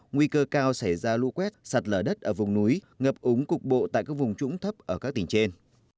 nguy cơ cao sẽ ra lũ quét sặt lở đất ở vùng núi ngập úng cục bộ tại các vùng trũng thấp ở các tỉnh trên